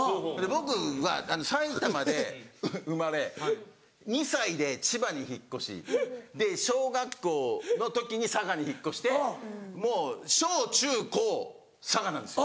僕は埼玉で生まれ２歳で千葉に引っ越し小学校の時に佐賀に引っ越してもう小・中・高佐賀なんですよ。